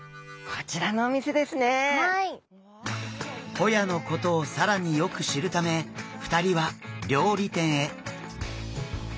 ホヤのことを更によく知るため２人は料理店へ。